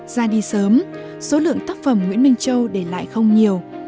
ra đi sớm số lượng tác phẩm nguyễn minh châu để lại không nhiều